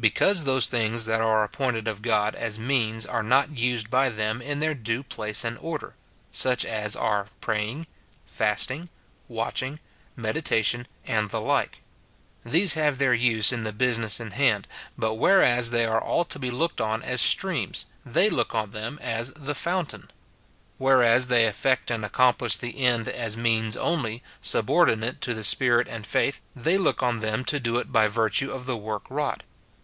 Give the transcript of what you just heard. Because those things that are appointed of God as means are not used by them in their due place and order, — such as are praying, fasting, watching, medita tion, and the like. These have their use in the business in hand ; but whereas they are all to be looked on as streams, they look on them as the fountain. Whereas 15 170 MORTIFICATION OF they effect and accomplish the end as means only, sub ordinate to the Spirit and faith, they look on them to do it by virtue of the work wrought.